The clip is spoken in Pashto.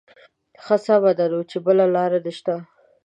ښه سمه ده نو چې بله لاره نه شته.